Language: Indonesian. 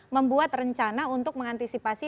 membuat rencana untuk mengantisipasi